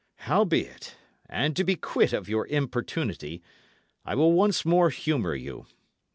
Howbeit, and to be quit of your importunity, I will once more humour you.